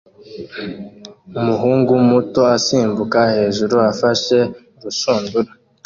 Umuhungu muto asimbuka hejuru afashe urushundura